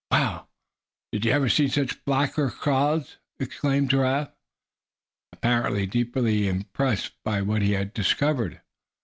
"Wow! did you ever see blacker clouds?" exclaimed Giraffe, apparently deeply impressed by what he had discovered.